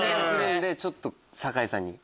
ちょっと酒井さんに。